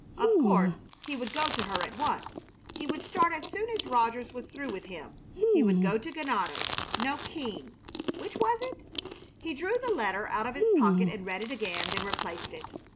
Of course he would go to her at once. He would start as soon as Rogers was through with him. He would go to Ganado. No, Keams. Which was it? He drew the letter out of his pocket and read it again, then replaced it.